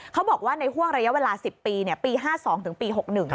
เขาบอกว่าในห่วงระยะเวลา๑๐ปีปี๕๒ถึงปี๖๑